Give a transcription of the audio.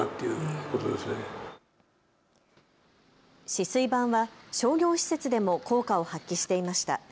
止水板は商業施設でも効果を発揮していました。